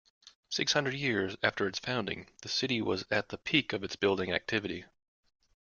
Six hundred years after its founding, the city was at the peak of its building activity.